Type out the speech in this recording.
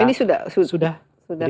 ini sudah kemana saja